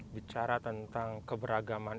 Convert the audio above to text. bicara tentang keberagaman